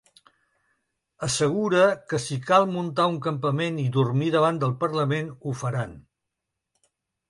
Assegura que si cal ‘muntar un campament i dormir davant del Parlament’, ho faran.